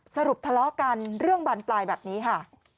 สรุปทะเลาะกันเรื่องบานปลายแบบนี้ค่ะ